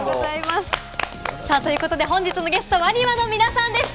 本日のゲスト、ＷＡＮＩＭＡの皆さんでした！